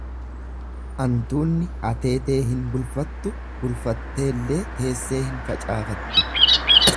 Antuunni ateetee hin bulfattu, bulfattullee teessee hin facaafattu.